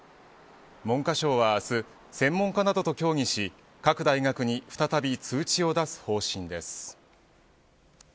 文科省は明日専門家などと協議し各大学に再び通知を出す方針です。